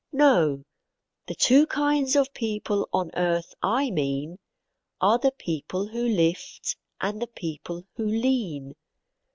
No; the two kinds of people on earth I mean, Are the people who lift, and the people who lean.